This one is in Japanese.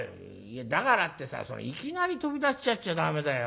だからってさいきなり飛び出しちゃっちゃダメだよ。